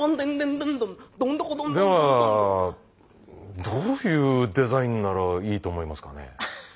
ではどういうデザインならいいと思いますかね？